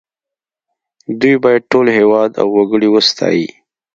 دوی باید ټول هېواد او وګړي وستايي